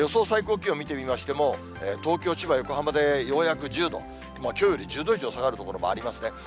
最高気温を見てみましても、東京、千葉、横浜でようやく１０度、きょうより１０度以上下がる所もありますね。